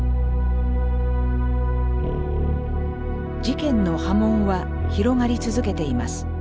事件の波紋は広がり続けています。